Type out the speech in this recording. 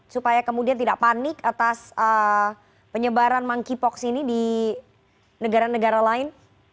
supaya kemudian tidak panik atas penyebaran monkeypox ini di negara negara lain